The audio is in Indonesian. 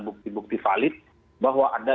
bukti bukti valid bahwa anda